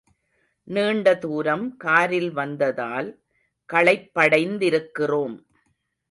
நீண்ட தூரம் காரில் வந்ததால் களைப்படைந்திருக்கிறோம்.